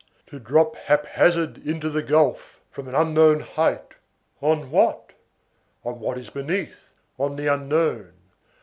To drop hap hazard into the gulf, from an unknown height, on what? On what is beneath, on the unknown.